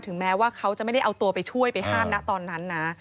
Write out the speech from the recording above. แม้ว่าเขาจะไม่ได้เอาตัวไปช่วยไปห้ามนะตอนนั้นนะ